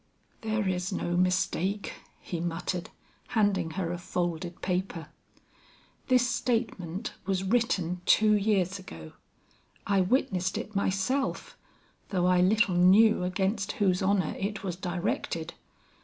"There is no mistake," he muttered, handing her a folded paper. "This statement was written two years ago; I witnessed it myself, though I little knew against whose honor it was directed.